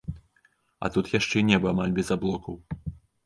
А тут яшчэ і неба амаль без аблокаў.